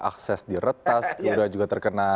akses di retas kemudian juga terkena